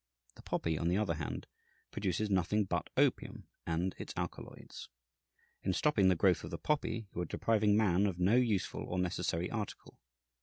The poppy, on the other hand, produces nothing but opium and its alkaloids. In stopping the growth of the poppy you are depriving man of no useful or necessary article.